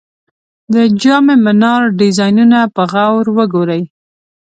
د جام منار ډیزاینونه په غور وګورئ.